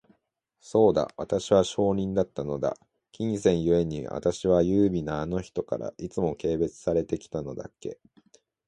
そうだ、私は商人だったのだ。金銭ゆえに、私は優美なあの人から、いつも軽蔑されて来たのだっけ。